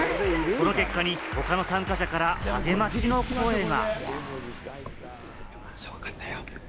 この結果に他の参加者から励ましの声が。